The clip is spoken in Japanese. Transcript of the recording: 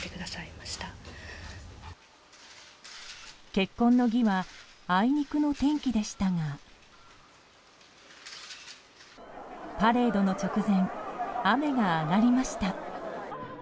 結婚の儀はあいにくの天気でしたがパレードの直前雨が上がりました。